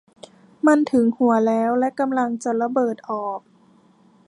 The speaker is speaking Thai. มันถึงหัวแล้วและกำลังจะระเบิดออก !